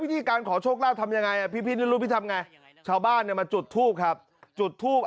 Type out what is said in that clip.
วิธีการขอโชคลาภทำยังไงพี่รุ่นพี่ทำไงชาวบ้านมาจุดทูปครับจุดทูบ